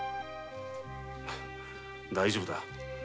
大丈夫だ。